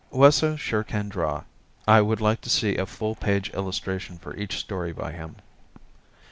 Wesso sure can draw. I would like to see a full page illustration for each story by him.